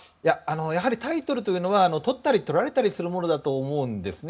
やはりタイトルというのは取ったり取られたりするものだと思うんですね。